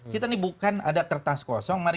kita ini bukan ada kertas kosong mari